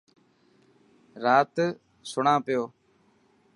رات سڻان پيو.